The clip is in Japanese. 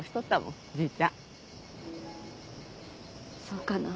そうかな？